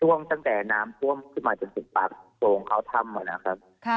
ซ่วนซ่วนตั้งแต่น้ำพ่วงขึ้นมาจนถึงปากโปรงเอาถ้ำ